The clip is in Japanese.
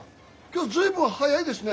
今日随分早いですね。